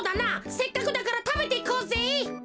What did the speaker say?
せっかくだからたべていこうぜ。